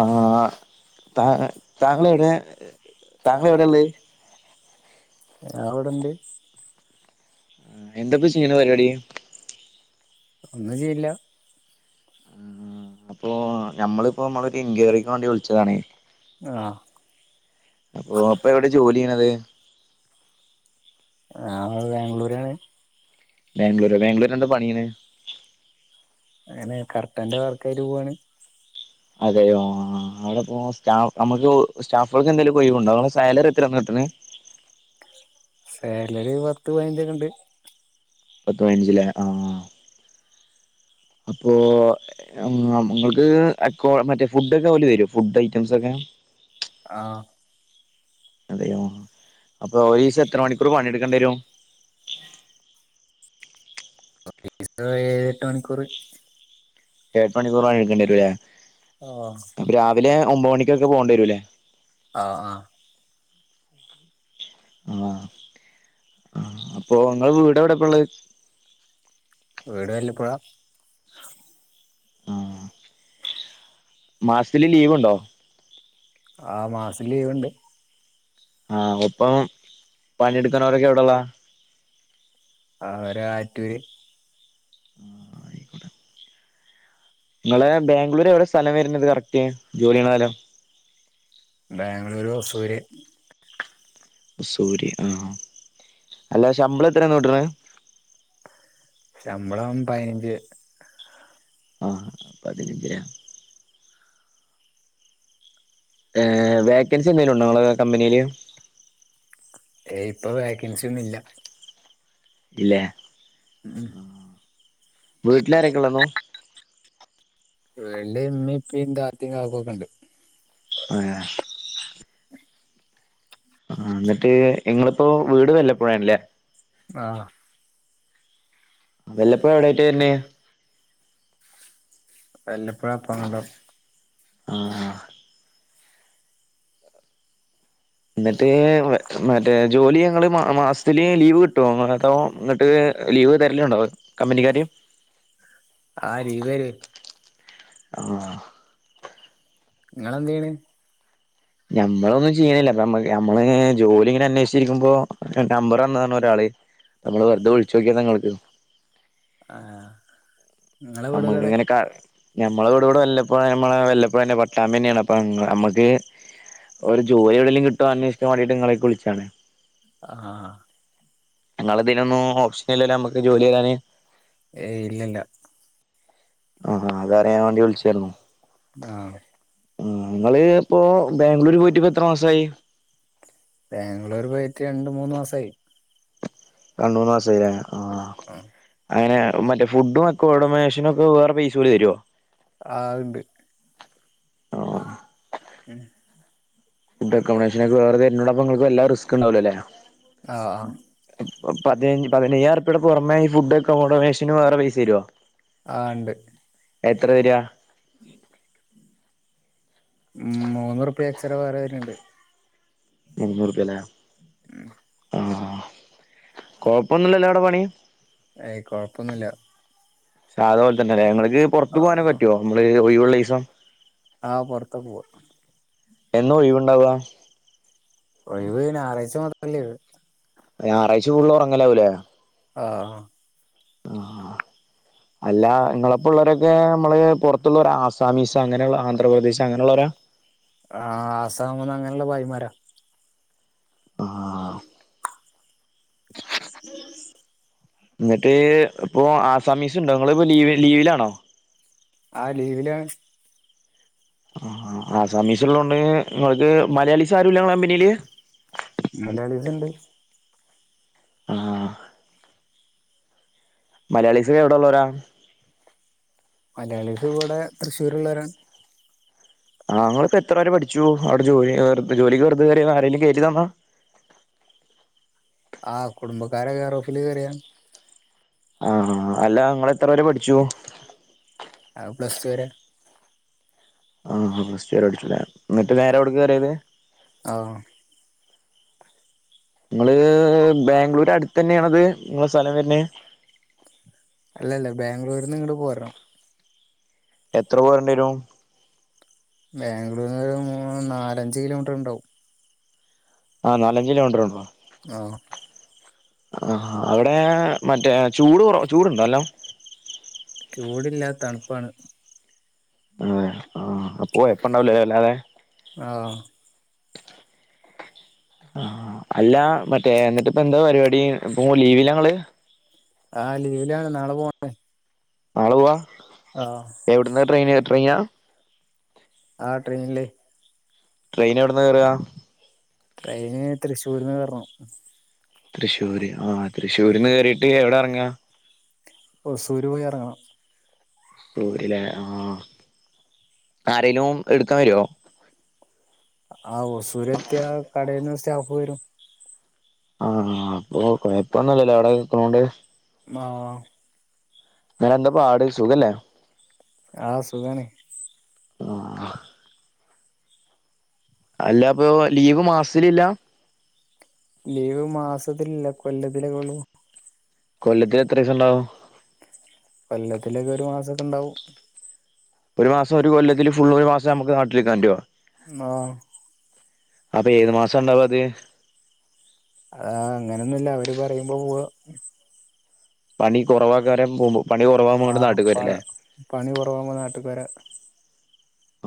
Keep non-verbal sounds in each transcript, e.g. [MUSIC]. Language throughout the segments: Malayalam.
ആ താ താങ്കളെവ്ടെ താങ്കളെവ്ടെള്ളേ അവിടെണ്ട് ആ എന്താപ്പചെയ്ണെ പരിപാടി ഒന്നും ചെയ്ല്ല അപ്പൊ ഞമ്മളിപ്പോ മ്മളൊരു ഇൻക്വറിക്ക് വാണ്ടി വിളിച്ചതാണേ ആഹ് അപ്പൊ അപ്പൊ എവിടെ ജോലിയെയ്യ്ണത് ആ ബാംഗ്ലൂരാണ് ബാംഗ്ലൂര് ബാംഗ്ലൂര് എന്താ പണിയന്ന് അങ്ങനെ കർട്ടന്റെ വാർക്കായിട്ട് പോവയാണ് അതെയോ അവിടെ പോ സ്റ്റാഫ് നമ്മുക്ക് സ്റ്റാഫുകൾക്ക് എന്തെേലും കൊയവുണ്ടോ അടെ സാലറി എത്ര നിട്ടന്ന് സാലറി പത്ത് പതിനഞ്ചൊക്കെ ഉണ്ട് പത്ത പതിനഞ്ചിലേ ആ അപ്പോൾ നിങ്ങൾക്ക് അ മറ്റേ ഫുഡൊക്കെ പോലി വരും ഫുഡ് ഐറ്റംസ്ൊക്കെ ആഹ അതെയോ അപ്പൊ ഒരുശം എത്ര മണിക്കൂർ പണിയെടുക്കേണ്ടി വരുോ പൈസ ഏഴെട്ട് മണിക്കൂർ എഏട്ട് മണിക്കൂറണ് എക്കേണ്ടിരൂല്ലേ ആഹ് അ രാവിലെ ഒമ്പ മണിക്ക് ൊക്കെ പോകണ്ടി വരൂല്ലേ ആഹ ആഹ ആഹ ആ അപ്പൊ നിങ്ങ വീട് എവിടെപ്പ ഉള്ളത് വീട് വല്ലപ്പഴ ആഹ മാസത്തില് ലീവ്ുണ്ടോ ആ മാസ ലീവുണ്ട് ആഹ ഒപ്പം പണിയെടുക്കൻോരൊക്കെ എവിടെള്ളാ ആ ഒരു ആറ്റൂര് [UNINTELLIGIBLE] നിങ്ങളെ ബാംഗ്ലൂര് എവിടെ സ്ഥലം വരുന്നത് കറക്റ്റ് ജോലിയണ സ്ഥലം പോര് സൂര്യ ആഹ അല്ല ശമ്പളം എത്ര നൂട്ടുന്നത് ശമ്പളം പതിനഞ്ച് ആഹ പതിനച്ചുലെ ഏർ വോക്കൻസി എന്തെിലും ഉണ്ടോ നിങ്ങള് കമ്പനിയില് ഇപ്പൊ വോക്കൻസിിയൊന്നും ഇല്ല ഇല്ലേ ഉം ആ വീട്ടിലാരൊക്കെള്ളെന്നോ വീല് ഇമ്മ ഇപ്പും ദാത്തിയും കാക്കൊക്കെ ഉണ്ട് അ ആ എന്നിട്ട് ഇങ്ങളിപ്പോ വീട് വല്ലപ്പോഴാണല്ലേ ആഹ വല്ലപ്പോ എവിടായിട്ട് തരുന്നെ വല്ലപ്പഴാ [UNINTELLIGIBLE] ആഹ ആ എന്നിട്ട് മറ്റേ ജോലി ഞങ്ങള് മ മ സ്ലീ ലീവ് കിട്ടോ അതോ എന്നിട്ട് ലീവ് തരിലുണ്ടോ അത് ആ ലിവരും ഉ ആാാ നിങ്ങളെദെയ്‌ന് ഞമ്മളൊന്നും ചെയ്യണില്ല നമ്മള് ജോലി ഇങ്ങനെ അന്വേഷിച്ചിരിക്കുമ്പോ നമ്പർ തന്നതാണ് ഒരാള് നമ്മ വറുതെളിച്ച നോക്കാഞങ്ങക്ക് ആ നമ്മളിങ്ങനെക്കാ ഞമ്മെ വീട് വിടെ വല്ലപ്പോഴ യാമ്മെടെ വല്ലപ്പോഴ തന്നെ പട്ടാമ്പി തന്നെയാണ് അപ്പൊ നമ്മക്ക് ഒരു ജോലി എവിടെേകിലും കിട്ടോ അന്വേഷിക്കൻ വേണ്ടീയിട്ട് നിങ്ങളേക്ക് വിളിച്ചാണ് ആ ഹ ഹ നിങ്ങൾ പിന്നൊന്നും ഓപ്ഷന ഇല്ലല്ല നമ്മുക്ക് ജോലി തെരന്ന് ഏയ് ഇല്ലില്ല ആഹ്ഹ അതറിയാവേണ്ടി വിളിച്ചായിരുന്നു ആഹ് ആഹ് ഇങ്ങള് ഇപ്പൊ ബാംഗ്ലൂര് പോയിട്ട് ഇപ്പൊ എത്ര മാസായി ബാംഗ്ലൂർ പോയിട്ട് രണ്ട് മൂന്ന് മാസായി രണ്ടൂന്ന്മാസായി ല്ലെ ആഹ് അയ്നെ മറ്റേ ഫുഡും അക്കോമടമേഷനും ഒക്കെ വേറെ പൈസ കൂടി തരോ ആ ഇൻഡ് ആഹ് ഉം ഫുഡ് അക്കോമഡേഷനെക്കെ വേറെതരുന്നൂണ്ട് പ്പ ഇങ്ങൾക്ക് വല്ലാ റിസ്ക് ഇണ്ടാവില്ലല്ലേ ആ പതിനച് പതിനയ്യാറുപ്പെടെ പുറമെ ഈ ഫുഡ്ഡ അക്കോമോഡമേഷന് വേറെ പൈസ തരോ ആഹ് ഇണ്ട് എത്ര തര്യ ഉം മൂന്നുറുപ്യ ചെലവ് വേറെ അയികിനിണ്ട് ഇരുന്നുറുപ്യല്ലേ ആ കൊഴപ്പൊന്നുല്ലല്ലോ ആടെപണി ഏയ് കൊഴപ്പൊന്നില്ല സതാ പോലെതന്നെല്ലെ ഇങ്ങള് ഇത് പുറത്ത് പോകാനൊക്കെ ആഹ് പറ്റോ നമ്മള് ഒയിവൊള്ള ദീസം ആഹ് പൊറത്തൊക്കെ പോവാ എന്നാ ഒയിവുണ്ടാവുക ഒഴിവ് ഞായറാഴ്ചമാത്രല്ലെളു ഞാറാഴ്ച ഫുൾ ഉറങ്ങലാവൂലേ ആഹ് ആഹ് അല്ല ഇങ്ങളപ്പലുള്ളവരൊക്കെ നമ്മള് പുറത്തുള്ള ഒരാസാമീസ് അങ്ങനെയുള്ള ആന്ധ്രാപ്രദേശ് അങ്ങനെയുള്ളാരാ ആ ആസാമീന്ന് അങ്ങനുള്ള ഭായ്മാരാ ആഹ് എന്നിട്ട് ഇപ്പൊ ആസാമീസൊണ്ടോ നിങ്ങിപ്പോ ലീ ലീവിലാണോ ആ ലീവിലാ ആഹ് ആഹ് ആസമീസിള്ളോണ്ട് നിങ്ങക്ക് മലയാളീസാരുല്ല ഇങ്ങള കമ്പനീല് മലയാളീസുണ്ട് ആഹ് മലയാളിസ് എവിടൊള്ളോരാ മലയാളീസ് ഇവടെ തൃശ്ശൂർള്ളോരാണ് ആഹ് ഇങ്ങളിപ്പോ എത്രരെ പഠിച്ചു അവിടെ ജോലി വെറ ജോലിക്ക് വെറുത കറിയ ആരെങ്കിലും കേറ്റിതന്നാ ആ കുടുംബക്കാരെ കേറോഫില് കേറിയാണ് ആഹ്ഹ അല്ല ങ്ങളെത്ര വരെ പഠിച്ചു ആഹ് പ്ലസ്ടുരെ ആഹ് പ്ലസ്ടുവരെ പഠിച്ചൂല്ലെ എന്നിട്ട് നേരെ വിട് കേറ്യേത് ആഹ് നിങ്ങള് ബാംഗ്ലൂര് അടുത്ത ന്നെയണത് നിങ്ങളെ സ്ഥലം വർന്നെ അല്ലല്ല ബാംഗ്ലൂരിന്ന് ഇങ്ങട്ട് പോർണം എത്ര പോർണ്ട്യേരും ബാംഗ്ലൂർന്ന് ഒര് മൂനാലഞ്ച് കിലോമീറ്റർ ഉണ്ടാവും ആഹ നാലഞ്ച് കിലോമീറ്റർ ഉണ്ടോ ഓ ആഹ് അവിടെ മറ്റേ ചൂട് കുറ ചൂടുണ്ടോല്ലോ നല്ലോം ചൂടില്ലാ തണ്പ്പാണ് ആഹ് അഹ് ആ അപ്പൊ എപ്പ ഉണ്ടാവലേ അല്ലാതെ ആഹ് ആ അല്ല മറ്റേ എന്നിട്ട് ഇപ്പ എന്താ പരിപാടി ഇപ്പ ലീവില്ല ങ്ങള് ആഹ് ലീവിലാണ് നാളെ പോണേ [UNINTELLIGIBLE] നാളെ പോവാ എവിടന്ന ട്രെയിൻ റിയാ ആ ട്രെയിന്ല് ട്രെയിൻ എവിടന്ന കേറാ ട്രെയിന് തൃശ്ശൂർന്ന് കേറ്ണം തൃശൂര് ആഹ് തൃ്ശൂരിന്ന് കേറീട്ട് എവിട്റ്ങ്ങ ഓ സുരൂയറങ്ങണം സൂര്യല്ലേ ആഹ് ആരേലും എടുക്കാൻ വരുവോ ആഹ് ഒസൂരെത്തിയാ കടേന്ന് [UNINTELLIGIBLE] വരും ആഹ് അപ്പൊ കൊഴപ്പൊന്നുംല്ലല്ലോ അവിടെ നിക്ക്ണോണ്ട് മാഹ് നന്താപ്പാട് സുഖല്ലേ ആഹ് സുഖാണി ആഹ് അല്ല അപ്പൊ ലീവ് മാസിലില്ല ലീവ് മാസത്തിലല്ല കൊല്ലത്തിലേക്കൊള്ളൂ കൊല്ലത്തില് എത്രിസം ഉണ്ടാവും കൊല്ലത്തിലൊക്കെ ഒരു മാസൊക്കെ ഇണ്ടാവും ഒരു മാസം ഒരു കൊല്ലത്തില് ഫുള്ള് ഒരു മാസം നമുക്ക് നാട്ടിലിക്കാൻ പറ്റോ ആഹ് അപ്പൊ ഏത് മാസാണ്ടാവ ഇത് ആ അങ്ങനെയൊന്നുമല്ല അവര് പറയുമ്പോ പോവ പണി കുറവാക്കാരൻ പോവുമ്പോ ആഹ് പ പണി കുറവാകുമ്പോ നാട്ട്ക്ക് വര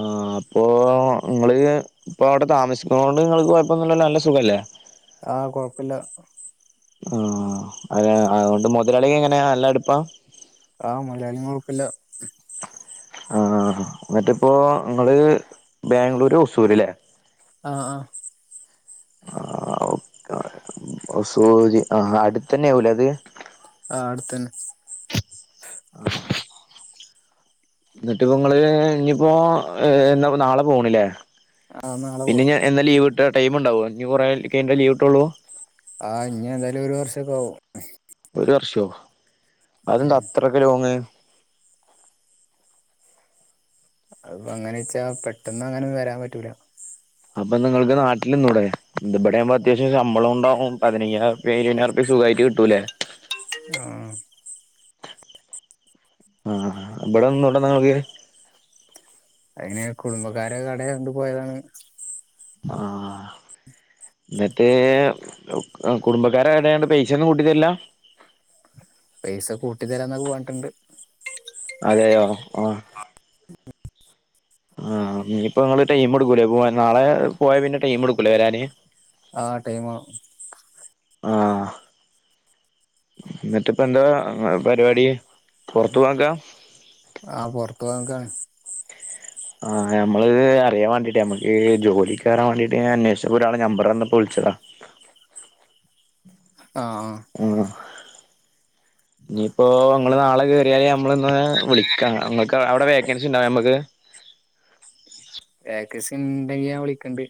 ആഹ് അപ്പോ നിങ്ങള് ഇപ്പോ അവിടെ താമസിക്കുന്ന കൊണ്ട് നിങ്ങക്ക് കുഴപ്പൊന്നുല്ലല്ലോ നല്ല സുഖല്ലേ? ആഹ് കൊഴപ്പില്ല. ആഹ് അത് അതുകൊണ്ട് മുതലാളി എങ്ങനെയാ നല്ല അടുപ്പാ? ആഹ് മലയാളി കുഴപ്പില്ല. ആഹ് എന്നിട്ടിപ്പോ നിങ്ങള് ബാംഗ്ലൂര് ഒസൂര്ല്ലേ? ആഹ് ആഹ് ആ സൂര്യ ആ അടുത്ത തന്നെ ആവുലെ അത് ആഹ് അടുത്തന്നെ ആഹ് എന്നിട്ട് ഇപ്പ നിങ്ങള് ഇനിയിപ്പോ എന്ന നാളെ പോണില്ലേ ആഹ് നാളെ പോ പിന്നെ ഇനി എന്നാ ലീവ് ടൈം ഉണ്ടാവോ കുറെ കയിഞ്ഞ ലീവ് കിട്ടൊള്ളു ആഹ് ഇഞ്ഞ് എന്തായാലും ഒരു വർഷൊക്കെ ആവും ഒരു വർഷോ ഉം അദെന്താ അത്രയക്കെ ലോങ്ങ് അപ്പൊ അങ്ങനെ വെച്ചാ പെട്ടന്ന് അങ്ങനെ വരാൻ പറ്റൂല അപ്പൊ നിങ്ങൾക്ക് നാട്ടിൽ നിന്നൂടെ ഇവിടെയാമ്പോ അത്യാവശ്യം ശമ്പളം ഉണ്ടാവും പതിനയ്യ ഇരുവയിനായിരം സുഖമായിട്ട് കിട്ടൂലേ ആഹ് ആഹ് ഇവിടെന്നുടെ ന്നങ്ങക്ക് അങ്ങനെ കുടുംബക്കാര കട കണ്ട് പോയതാണ് ആഹ് എന്നിട്ടേ കുടുംബക്കാര കടയൊണ്ട് പൈസൊന്നും കൂട്ടിതരില്ല പൈസ കൂട്ടി തരാന്നൊക്കെ പറഞ്ഞിട്ടുണ്ട് അതയോ ആഹ് ആഹ് ഇപ്പൊ നിങ്ങള് ടൈം എടുക്കൂലേ പോ നാളെ പോയ പിന്നെ ടൈം എടുക്കൂലേ വരാന് ആഹ് ടൈം ആഹ് എന്നിട്ട ഇപ്പ എന്താ പരിപാടി പുറത്ത് പോകാ നിക്ക ആ പുറത്തു പോവാൻ നിക്കാണ് ആഹ് നമ്മള് അറിയാൻ വേണ്ടീട്ടേ നമ്മക്ക് ജോലി കയറാൻ വേണ്ടീട്ട് ഞാൻ അന്വേഷിച്ചപ്പോ ഒരാളെ നമ്പർ തന്നപ്പോ വിളിച്ചതാ ആ ആ ഇനിയിപ്പോ ങ്ങള് നാളെ കേറിയാല് നമ്മള് ഇന്ന് വിളിക്കാ ങ്ങക്ക് അവിടെ വേക്കൻസി ഉണ്ടൊ ഞമ്മക്ക് വെക്കസിണ്ടെങ്കി ഞാൻ വിളിക്കണ്ട്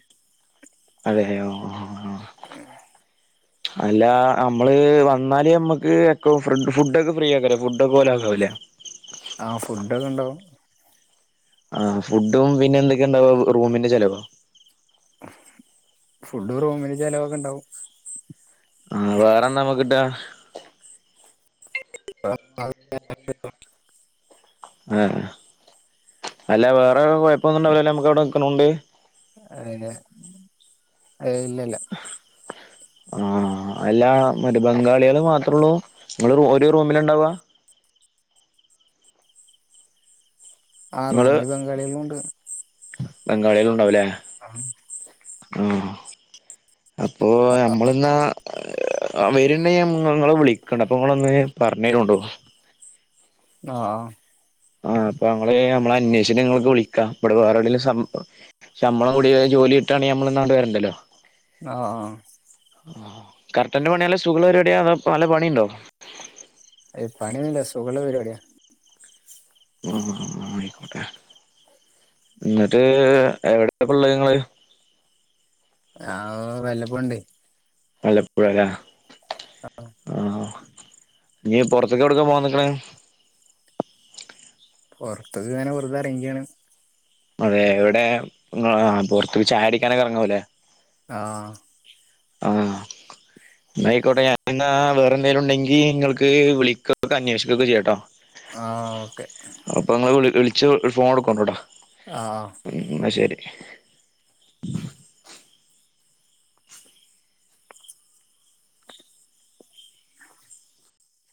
അതെയൊ അ ഉം അല്ല നമ്മള് വന്നാല് നമ്മക്ക് എക്കോ ഫ്രൂഡ് ഫുടൊക്കെ ഫ്രീ ആക്കാരം ഫുഡ് ഒക്കെ [UNINTELLIGIBLE] ആഹ ഫുഡൊക്കെ ണ്ടാവും ആ ഫുഡും പിന്നെ എന്തൊക്കെയുണ്ടാവ റൂമിന്റെ ചെലവോ ഫുഡ് റൂമില് ചിലവൊക്കെണ്ടാവും ആ വേറെന്താ നമ്മക്ക്ട്ടാ [UNINTELLIGIBLE] ആ അല്ല വേറെ ഒരു കൊയപ്പൊന്നും ഉണ്ടാവൂലല്ലോ നമുക്ക് അവിടെ നിക്കണോണ്ട് അതെ അതെ ഇല്ലല്ല ആഹാ അല്ലാ മറ്റ ബംഗാളികള് മാത്രേ ഉള്ളൂ നിങ്ങള് ഒരു റൂമിലിണ്ടാവ ആ ഇങ്ങള് റൂമില് ബംഗാളികളും ഉണ്ട് ആഹാ അപ്പോ നമ്മളെന്നാ വരുണ്ടെങ്കിൽ ഞമ്മള് വിളിക്കണ് അപ്പോ നിങ്ങളൊന്ന് പറഞ്ഞേരോണ്ടു ആഹാ ആ ആ അപ്പ നമ്മള് നമ്മളെ അന്വേഷിച്ചിട്ട് നിങ്ങക്ക് വിളിക്കാ ഇവടെ വേറെ എവിടേലും ശമ്പളം കൂടി ജോലി കിട്ടാണെങ്കിൽ ന്നാ നമ്മളങ്ങട്ട് വരണ്ടല്ലോ ആ ആ ആ കർട്ടന്റെ പണി നല്ല സുഖമുള്ള പരിപാടിയാണോ നല്ല പണിണ്ടോ ഐന് പണിയൊന്നൂല്ല സുഖുള്ള പരിപാടിയാ ആഹ് ആയിക്കോട്ടെ എന്നട്ട് എവിടെപ്പള്ളേങ്ങള് ഞാൻ വല്ല പ്പണ്ട് ആലപ്പുഴേല്ലാ ആഹാ നീ പൊറത്തെക്കെവടുക്കാ പോകാൻ നിക്കണേ പൊറത്തോക്കങ്ങനെ വെറുതെ എറങ്ങീക്കാണ് അതെ എവടെ ങ്ങള് പൊറത്തക്ക് ചായടിക്കാനൊക്കെ എറങ്ങൂലെ ആഹ് ആ ആയിക്കോട്ടെ ഞാൻ വേറെന്തേലുണ്ടെങ്കി ങ്ങൾക്ക് വിളിക്കാ അന്വേഷിക്കൊക്കെ ചെയ്യാട്ടോ ആഹ് ഓക്കെ അപ്പൊ നിങ്ങള് വിളിച്ച് ഒരു ഫോൺ ഇട്കൊണ്ട് ട്ടൊ ആഹ് ന്നാശെരി